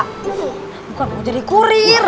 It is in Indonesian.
bukan mau jadi kurir